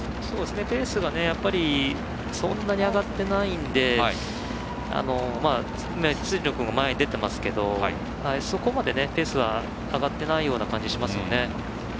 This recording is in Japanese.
ペースがそんなに上がっていないので辻野君が前に出ていますけどそこまでペースは上がってないような感じがします。